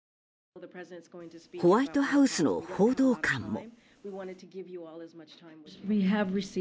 ホワイトハウスの報道官も。